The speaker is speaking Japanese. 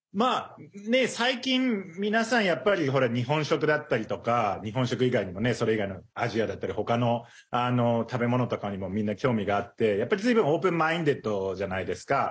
最近、皆さんやっぱり日本食だったりとか日本食以外にもねそれ以外のアジアだったり他の食べ物とかにもみんな興味があってやっぱり、ずいぶんオープンマインドじゃないですか。